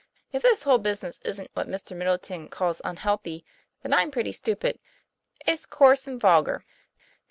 "If this whole business isn't what Mr. Middleton calls unhealthy, then I'm pretty stupid. It's coarse and vulgar."